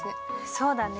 そうだね。